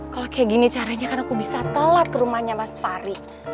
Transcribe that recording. kalau kayak gini caranya kan aku bisa telat rumahnya mas fari